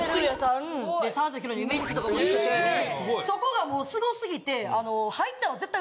そこがもうすご過ぎてあの。